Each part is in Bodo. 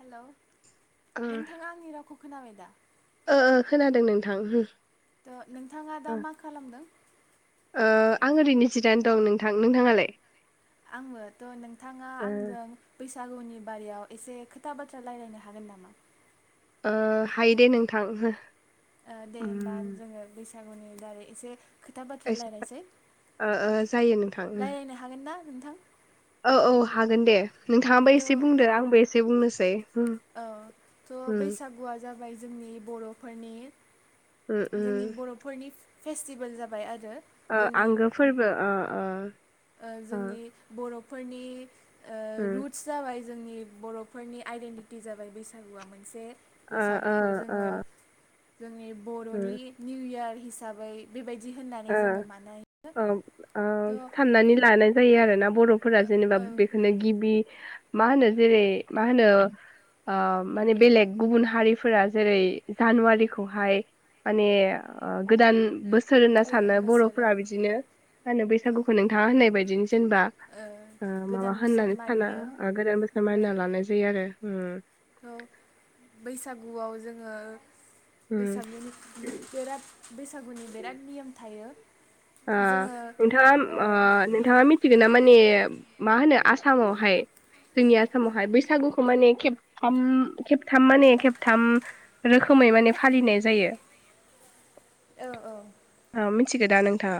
हेल नोंथाङा आंनि रावखौ खोनाबाय दा? ओ-ओ खोनादों नोंथां [unintelligible] थ नोंथाङा दा मा खालामदों? ओ आं ओरैनो जिराइना दं नोंथां नोंथाङालाय आङोथ' नोंथाङा ओ आंजों बैसा सागुनि बारियाव एसे खोथा बाथ्रा रायज्लायनो हागोन नामा? ओ हायो दे नोंथां [unintelligible] ओ दे होनोमबा उम जोङो बैस सागुनि दारै एसे खोथा बाथ्रा [unintelligible] रायलायसै ओ ओ जायो नोंथां उम रायलायनो हागोन ना नोंथां? औ औ हागोन दे। नोंथाङाबो थ' एसे बुंदो आंबो एसे बुंनोसै औ थ उम बैसागुआ जा बाय जोंनि बरफोरनि उम उम जोंनि बर'फोरनि फेस्टिभेल जाबाय आ अ आंगो फोरबो अ अ ओ जोंनि बर' फोरनि ओ उम रुटस जाबाय जोंनि बर'फोरनि आइडेन्टिटि जाबाय बैसागुआ मोनसे ओ ओ बैसागुखौ ओ जोङो जोंनि बर'नि उम निउ इयार हिसाबै बेबाय ओ ओम औ थ' साननानै लानाय जायो आरोना बर'फोरा जेनेबा ओ बेखौनो गिबि मा होनो जेरै मा होनो अ माने बेलेग गुबुन हारिफोरा जेरै जानुवारिखौहाय माने गोदान बोसोर गोदान सानो बोसोर बर'फोरा ओं बिदिनो [unintelligible] गुखौ नोंथाङा होननाय बायदिनो जेनेबा ओ गोदान माबा बोसोर होननानै साना मानियो गोदान बोसोर मानिना लानाय जायो आरो। ओम औ बैसागुआव जोङो उम बैसागुनि बिराद बैसागुनि बिराद नियम थायो ओ जोङो नोंथाङा आ ओ नोंथाङा मिथिगोन ना माने मा होनो आसामावहाय जोंनि आ सामाव बैसागुखौ माने खेबथाम खेबथाम माने खेबथाम रोखोमै माने फालिनाय जायो। औ औ आ मिथिगो दा नोंथाङा?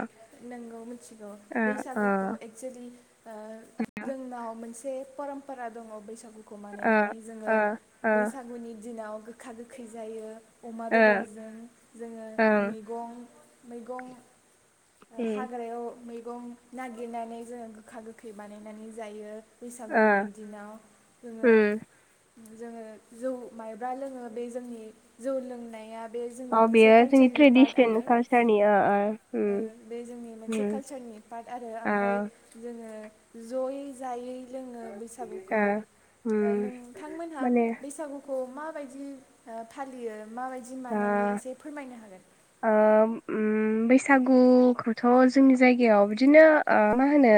नोंगौ मिथिगौ ओ ओ बैसागुखौ एक्सुेलि ओ जोंनाव मोन एसे परमपारा दङ बैसागु खौ ओ बानायनायनि जोङो ओ ओ बैसागुनि दिनाव गोखा गोखै जायो। अमा ओ बेदरजों जोङो ओं मैगं मैगं ओ उम हाग्रायाव मै गं नागिरनानै जोङो गोखा गोखै बानायनानै जायो। ओ बैसागुनि दिनाव जोङो उम जोङो जौ मायब्रा लोङो बे जोंनि जौ लोंनाया बे जोंनि ओ मोनसे बेयो जोंनि कालचारनि पार्ट ट्रेडिसन आरो कालचारनि ओ ओ ओ उम। बे जोंनि मोनसे उम कालचारनि पार्ट आरो ओ ओमफ्राय जों ओ ज'यै जायै जोङो बैसागुखौ ओ उम ओ नोंथांमोनहा माने बैसागुखौ मा माबायदि ओ फालियो। माबायदि मानायो ओ एसे फोरमायनो हागोन। ओम बैसागुखौथ' जोंनि जायगायाव बिदिनो ओ मा होनो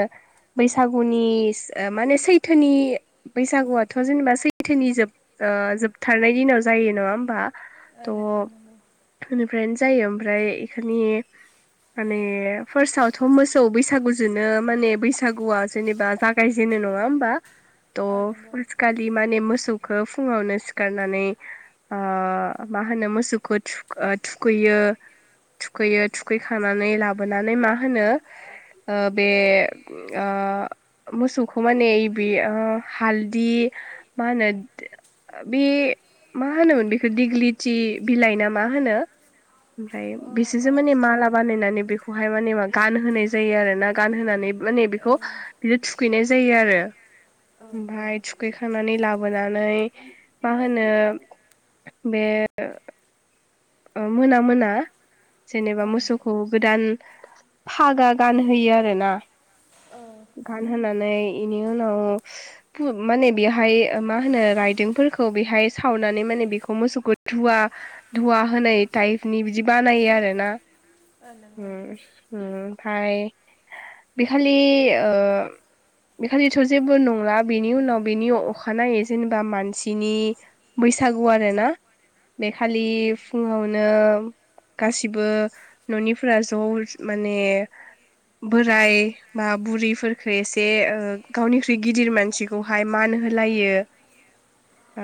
बैसागुनिस मानो सैथोनि बैसागुआथ' जेनेबा सैथोनि जोब ओ जोबथारनाय दिनाव जायो। नङा होमबा? ओ नंगौ नंगौ थ' [inaudible] फ्रायनो जायो। ओमफ्राय इफोरनि माने फार्स्टआवथ' मोसौ बैसागुजोंनो माने बैसागुआ जेनेबा जागायजेनो नङा होमबा। त ओ नंगौ फुलखालि माने मोस मोसौखो फुङावनो सिखारनानै आ मा होनो मोसौखौ थुख थुखैयो थुखैयो थुखैखांनानै लाबोनानै मा होनो? ओ बे ओ मोसौखौ माने ओइ बे ओ हालदि मा होनो बे मा होनोमोन बेखो दिग्लि थि बिलाइ ना मा होनो? ओमफ्राय अ अ बिसोरसो माने माला बानायनानै बेखौहाय माने मा गानहोनाय जायो आरोना गानहोनानै माने बेखौ बिदि थु खैनाय जायो आरो ओ औ औ ओमफाय थुखैखांनानै लाब बोनानै मा होनो बे ओ ओ मोना मोना जेनेबा ओं मोसौखौ गोदान फागा गानहैयो आरो ना औ गानहोनानै इनि उनाव पु माने बेहाय ओ मा होनो रायदों फोरखौ बेहाय सावनानै माने बेखौ मोसौखौ धुवा धुवा होनाय टाइपनि बिदि बानायो आरो ना। ओ उम नंगौ उम। फाय बिखालि ओ बे खालिथ' जेबो नंला बेनि उनाव बेनि अखानायै जेनेबा मानसिनि बैसागु आरो ना। औ बेखालि नों ओ फुङावनो गासिबो न'निफोरा ज' माने बोराय बा बुरै फोरखो एसे ओ गावनिख्रुइ गिदिर मानसिखौहाय मान होलायो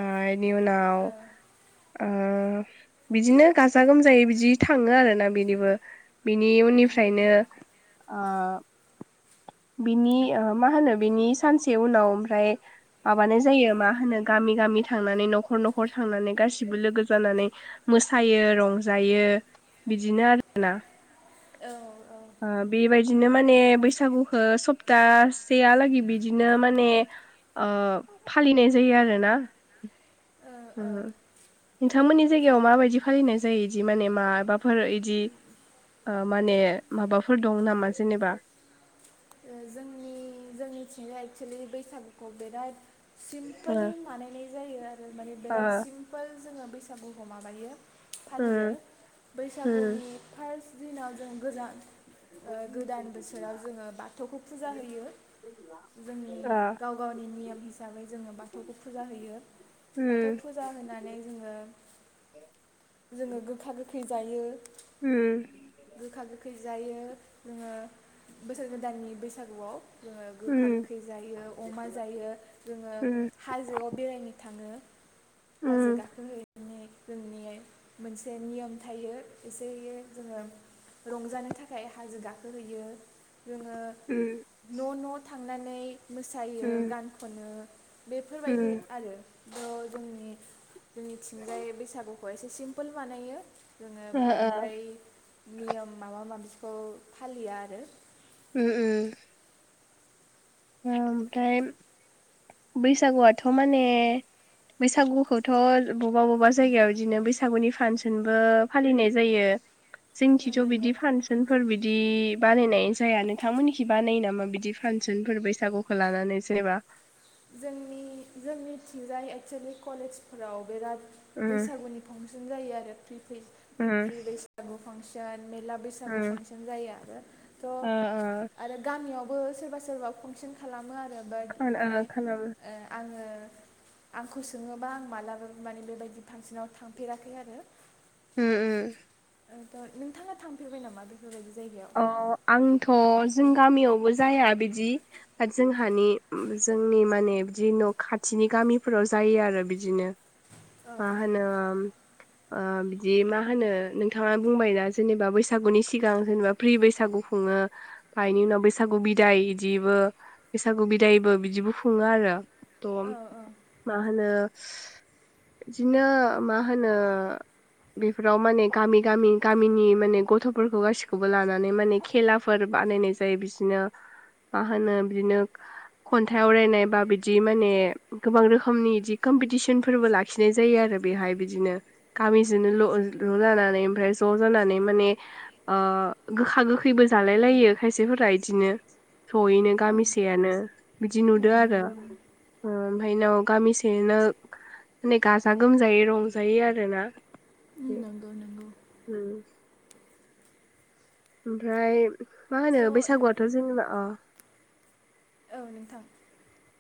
ओ इनि उनाव ओ बिदिनो गाजा -गोमजायै बिदि थाङो आरोना बिनिबो बिनि उम उननिफ्रायनो आ बिनि ओ मा होनो बिनि सानसे उनाव ओमफ्राय माबानाय जायो मा होनो गामि गामि थांनानै नखर नखर थांनानै गासिबो लोगो जानानै मोसायो रंजायो बिदिनो आरोना। औ औ। बिदिनो माने बैसागु ओ सप्तासेयालागै बिदिनो माने ओ फालिनाय जायो आरोना। उ औ ओ नोंथांमोननि जायगायाव माबायदि फालिनाय जायो इदि माने माबाफोर इदि माने माबाफोर दं नामा जेनेबा ओ जोंनि जोंनिथिंजाय एक्सुेलि बैसागुखौ बिराद ओ सिमपलि बानायनाय जायो आरो माने ओ बिराद सिम्पोल जोङो बैसागुखो माबायो। फालियो उम बैसागुनि फार्स्ट दिनाव जों गोजा ओ गोदान बोसोराव जोङो बा [unintelligible] थौखौ फुजा होयो। जोंनि उम गाव गावनि नियोम हिसाबै जोङो बाथौखौ फुजा होयो। बाथौ फुजा होनानै जोङो जोङो गोखा [unintelligible] [unintelligible] जायो। उम। गोखा गोखै जायो जोङो बोसोर [unintelligible] दाननि बैसागुआव जोङो गोखा उम गोखै जायो, अमा जायो, जोङो उम हाजोआव बेरायनो थाङो। हाजो गाखोहैनो जोंनि मोनसे नियोम थायो एसेयो जोङो रंजानो थाखाय हाजो गाखोहैयो। उम जोङो न' न' थांनानै मोसायो उम गान खनो। बेफोरबायदि उम आरो थ' जोंनि जोंनिथिंजाय बैसागु [unintelligible] एसे सिम्पोल बानायो। जोङो उम ओ बांद्राय नियोम माबा माबिखौ फालिया आरो। उम उम। ओमफ्राय बैसागुआथ' माने बैसागुखौथ' बबा बबा जायगायाव इदिनो बैसागुनि फानसोनबो फालिनाय जायो। जोंनिथिथ' नोंगौ बिदि फानसोनफोर बिदि बानायनाय जाया, नोंथांमोननिखि बानायो नामा बिदि फानसोनफोर बैसागुखौ लानानै जेनेबा? जोंनि जोंनिथिंजाय एक्सलि कलेजफोराव बेराद उम बैसागुनि फांसन जायो आरो रो थि फ्रि उम फ्रि बैसागु फांसन मेला बैसागु उम फांसोन जायो आरो थ ओ ओ आरो गामियाव बो सोरबा सोरबा फांसोन खाला मो आरो बाट खोना माने ओ खोनाबो ओ आङो आंखौ सोङोबा आं मालाबाबो माने बेबायदि फांसनाव थांफेराखै आरो उम उम त' नोंथाङा थांफेरबाय नामा बेफोरबायदि जायगायाव ओ आंथ' जों गामियावबो जाया बिदि जोंहानि उम जोंनि माने बिदि न' खाथिनि गामिफोराव जायो आरो बिदिनो औ मा होनोम ओ बिदि मा होनो नोंथाङा बुंबाय ना जेनेबा बैसागुनि सिगां जेनेबा फ्रि बैसागु खुङो फायनि उनाव बैसागु बिदाय इदिबो बैसागु बिदायबो बिदिबो खुङो आरो त' औ औ मा होनो बिदिनो मा होनो बेफोराव माने गामि गामि गामिनि माने गथ'फोरखौ गासिखौ बो लानानै माने खेलाफोर बानायनाय जायो बिदिनो मा होनो बिदिनो खन्थाइ आवरायनाय बा बिदि माने गोबां रोखोमनि बिदि कमपिटिसनफोरबो लाखिनाय जायो आरो बेहाय बिदिनो गामिजोंनो ल'-ल' लानानै ओमफ्राय ज' जानानै माने गोखा गोखैबो जालाय लायो खायसेफोरा इदिनो जयैनो ओं गामिसेयानो बिदि ओ नुदों नंगौ आरो नंगौ फायनाव गामिसेनो माने गाजा गोमजायै रंजायै आरो ना उम नंगौ नंगौ उम ओमफ्राय मा स' होनो बैसागुआथ' जेनेबा ओ औ नोंथां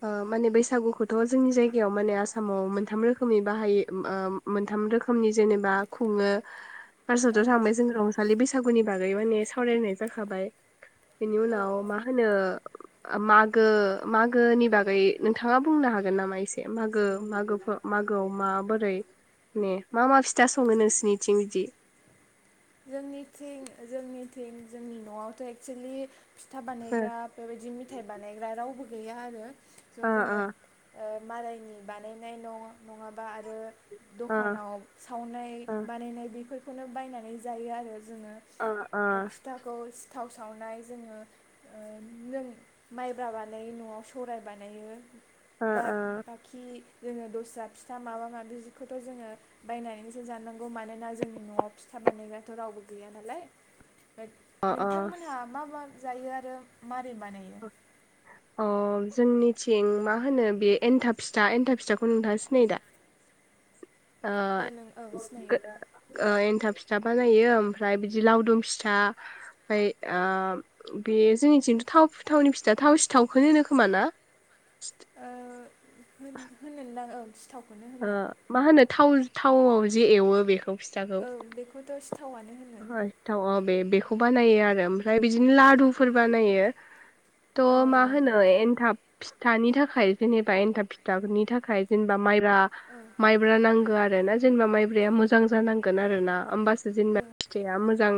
ओ माने बैसागुखौथ' जोंनि जायगायाव माने आसामाव मोनथाम रोखोमनि बाहाय ओ मोनथाम रोखोमनि जेनेबा खुङो औ फार्सआवथ' थांबाय जों रंजालि बैसा गुनि बागै माने सावरायनाय जाखाबाय बेनि औ उनाव औ मा होनो मागो मा गोनि बागै नोंथाङा बुंनो हागोन नामा एसे मागो मागोफो मागोआव माबोरै ने मा मा फिथा सङो नोंसिनिथिं बिदि जोंनिथिं जोंनिथिं जोंनि न'आवथ' एक्सोलि फिथा ओ बानायग्रा बेबायदि मिथाइ बानायग्रा रावबो गैया आरो स' ओ जोङो आ मालायनि बानायनाय नङ-नङाबा आरो ओ दखानाव सावनाय ओ बानायनाय बेफोर खोनो बायनानै जायो आरो जोङो ओ फिथाखौस सिथाव सावनाय जोङो ओ नों माइब्रा बानायो न'आव सौराइ बानायो। ओ बाद बाखि जोङो दस्रा फिथा माबा माबिखौथ' जोङो बायनानैसो जानांगौ मानोना जोंनि न'आव फिथाब बानायग्राथ' रावबो गैया नालाय। अ अ नोंथांमोनहा मा मा? जायो आरो मारै बानायो? अ जोंनिथिं मा होनो बे एन्थाब फिथा एन्था फिथाखौ नोंथाङा सिनायो दा? ओ नों औ गो सिनायो ओ एन थाब फिथा बानायो ओमफ्राय बिदि लावदुम फिथा ओमफ्राय ओ बे जोंनिथिंथ थाव थावनि फिथा थाव सिथावखौ होनो खोमा ना? [inaudible] ओ होन होनन्दां औ सिथाव ओ मा हानो। थाव थावआव जे एवो बेखौ। औ बेखौथ' सि है थानाय बे बेखौ बानायो आरो ओमफ्राय बिदिनो लादुफोर बानायो। थ औ मा होनो एनथाब। फिथानि थाखाय जेनेबा एन्थाब फिथफोरनि थाखाय जेनेबा माइब ब्रा औ माइब्रा नांगौ आर आरो ना जेनेबा माइब्राया मोजां जानांगोन आरोना ओमबासो जेनेबा। औ फिथाइआ मोजां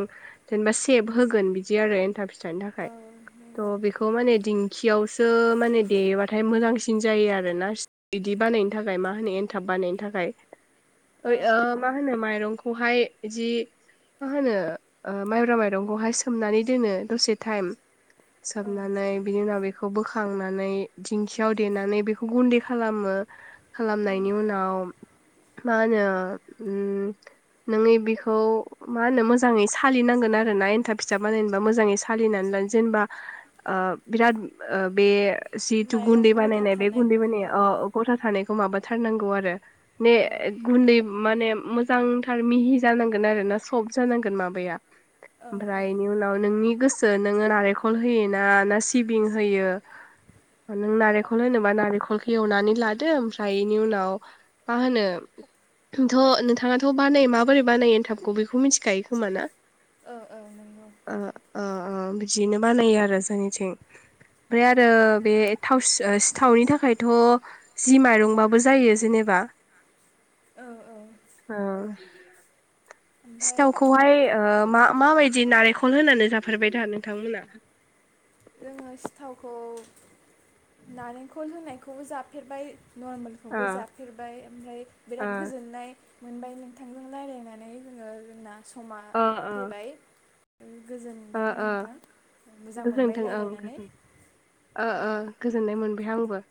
जेनेबा सेब होगोन बिदि आरो एन्थाब फि फिथानो औ थाखाय थ नंगौ बेखौ माने दिं खियावसो माने देयोबाथाय मोजांसिन जायो आर ना बिदि बानायनो थाखाय मा होनो एन्थाब बानायनो थाखाय। औ ओइ ओ औ मा होनो माइरंखौहाय जि मा होनो ओ माइब्रा माइरंखौहाय सोमनानै दोनो दसे टाइम। औ सोबनानै बिनि उनाव बेख खौ बोखांनानै दिंखियाव देनानै बेखौ गुन्दै खालामो। खालामनायनि उनाव मा होनो उम नोंनि बेखौ। मा होनो मोजाङै सालिनांगोन आरो ना एन्थाब फिथा बानायेनबा मोजाङै सालिनानै लानो जेनेबा ओ बिराद बे जिथु माइरं गुन्दै गथा बानायनाय बे गुन्दै थानायखौ बानाया औ गथा थानायख खौ माबाथारनांगौ आरो। ने गुन्दै माने मोजांथार मिहि जानांगोन आरोना। सब जानांगोन माबाया औ ओमफ्रायनि उनाव नोंनि गोसो नोंङो नारेखल होयो ना सिबिं होयो नों नारेंखल होनोबा नारेंखल खौ एवनानै लादों ओमफ्राय बेनि उनाव मा होनो थ नोंथां थ बानायो माबोरै बानायो एनथाबखै बेखौ बेखौ मिथिखायो खोमा ना। औ औ नंगौ ओ ओ ओ बिदिनो बानायो आरो जोंनिथिं ओमफ्राय आरो बे थाव सिथावनि थाखायथ' जि माइरंबाबो जायो जेनेबा औ औ ओ ओमफ्राय सिथावखौहाय ओ मा माबायदि नारेंखल होनानै जाफेरबाय दा नोंथांमोना जोंङो सिथावखौ नारेंखल होनायखौबो जाफेरबाय ओ नरमेलखौबो जाफेरबाय ओमफ्राय ओ बिराद गोजोननाय मोनबाय नोंथांजों रायलायनानै जोंङो जोंना समा ओ ओ फैबाय। गोजोनथों नोंथां मोजां मोनबाय गोजोनथों ओं रायज्लायनानै गोजोन ओ ओ गोजोननाय मोन बाय आंबो